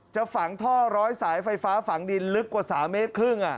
ฝังท่อร้อยสายไฟฟ้าฝังดินลึกกว่า๓เมตรครึ่ง